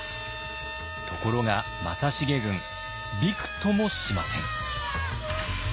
ところが正成軍びくともしません。